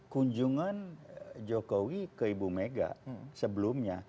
kunjungan jokowi ke ibu mega sebelumnya